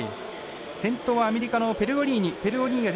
先頭はアメリカのペルゴリーニ。